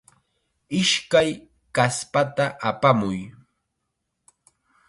Ishkay kaspata apamuy.